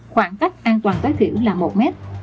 hai khoảng cách an toàn tối thiểu là một m